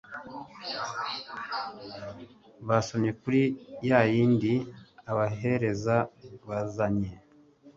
Basomye kuri ya yindi abahereza bazanye,